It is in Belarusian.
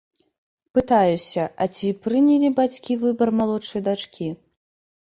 Пытаюся, а ці прынялі бацькі выбар малодшай дачкі.